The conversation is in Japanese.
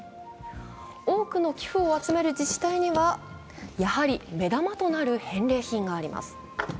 多くの寄付を集める自治体にはやはり目玉となる返礼品があります。